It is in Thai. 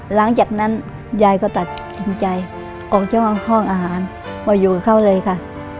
หลังจากนั้นยายก็ตัดสินใจออกจากห้องอาหารมาอยู่กับเขาเลยค่ะ